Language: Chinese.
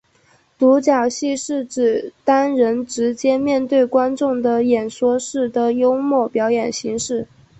独角戏是指单人直接面对观众的演说式的幽默表演形式。